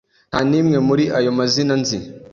Nta n'imwe muri ayo mazina nzi.